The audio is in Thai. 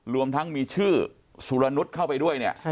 รวมทั้งมีชื่อสุรรณุฑเข้าไปด้วย